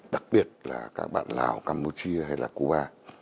đặc biệt là các bạn lào campuchia hay là cuba